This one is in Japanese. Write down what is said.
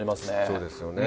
そうですよね。